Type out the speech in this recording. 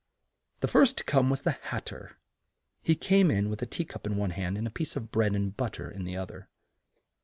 The first to come was the Hat ter. He came in with a tea cup in one hand and a piece of bread and but ter in the oth er.